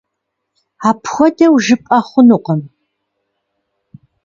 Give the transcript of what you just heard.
Апхуэдэу жыпӀэ хъунукъым.